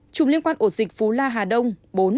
tám chủng liên quan ổ dịch phú la hà đông bốn